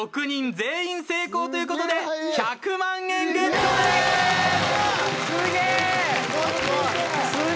６人全員成功という事で１００万円ゲットです！